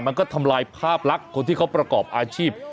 มันก็ทำลายภาพลักษณ์คนที่เขาประกอบอาชีพ